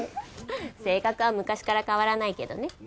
性格は昔から変わらないけどね。